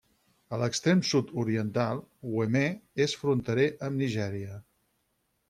A l'extrem sud-oriental, Ouémé és fronterer amb Nigèria.